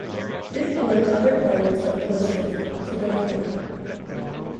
This alerts other players of closeness to going out.